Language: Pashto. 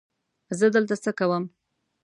زه دلته څه کوم؟